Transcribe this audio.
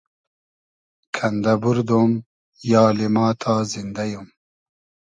کئندۂ بوردۉم یالی ما تا زیندۂ یوم